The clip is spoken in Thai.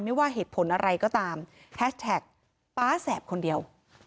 ว่าเหตุผลอะไรก็ตามแฮชแท็กป๊าแสบคนเดียว